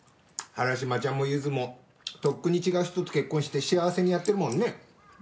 原島ちゃんもユズもとっくに違う人と結婚して幸せにやってるもんね。